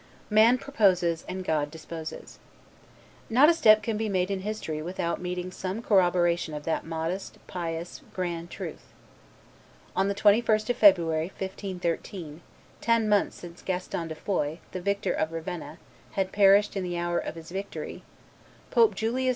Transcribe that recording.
"Man proposes and God disposes." Not a step can be made in history without meeting with some corroboration of that modest, pious, grand truth. On the 21st of February, 1513, ten months since Gaston de Foix, the victor of Ravenna, had perished in the hour of his victory, Pope Julius II.